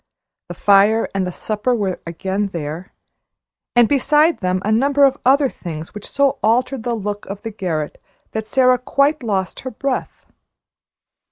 The fire and the supper were again there, and beside them a number of other things which so altered the look of the garret that Sara quite lost her breath.